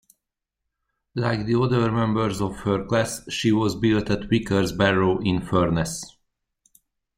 Like the other members of her class, she was built at Vickers Barrow-in-Furness.